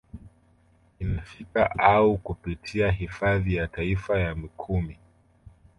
Inafika au kupitia hifadhi ya taifa ya Mikumi